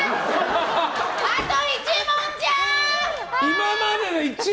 あと１問じゃん！